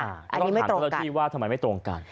อันนี้ไม่ตรงกัน